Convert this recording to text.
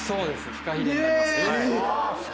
フカヒレになります。